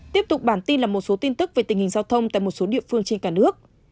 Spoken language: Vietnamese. tiếp tục bản tin là một số tin tức về tình hình giao thông tại một số địa phương trên cả nước